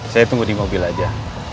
saya tunggu di mobil aja